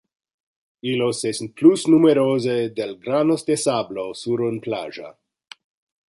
Illos es plus numerose del granos de sablo sur un plagia.